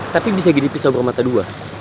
tapi bisa jadi pisau bermata dua